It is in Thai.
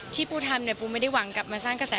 ปูทำเนี่ยปูไม่ได้หวังกลับมาสร้างกระแส